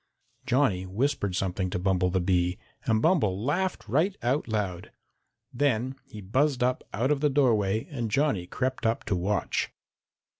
Johnny whispered something to Bumble the Bee, and Bumble laughed right out loud. Then he buzzed up out of the doorway, and Johnny crept up to watch.